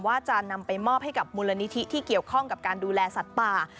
ว่าจะนำไปมอบให้กับมูลนิธิที่เกี่ยวข้องกับการดูแลสัตว์ป่า